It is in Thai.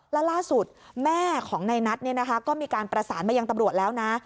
แล้วล่าสุดแม่ของในนัทก็มีการประสานมายังตำรวจแล้วนะ